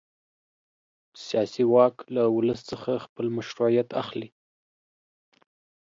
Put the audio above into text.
سیاسي واک له ولس څخه خپل مشروعیت اخلي.